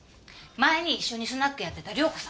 前に一緒にスナックやってた涼子さん。